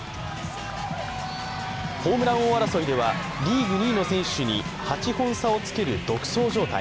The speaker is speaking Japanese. ホームラン王争いでは、リーグ２位の選手に８本差をつける独走状態。